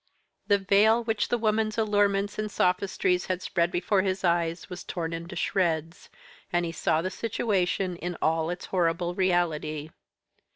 The veil which the woman's allurements and sophistries had spread before his eyes was torn into shreds, and he saw the situation in all its horrible reality.